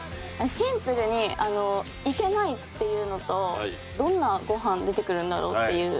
シンプルに行けないっていうのとどんなご飯出てくるんだろうっていう。